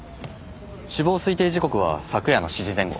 死亡推定時刻は昨夜の７時前後。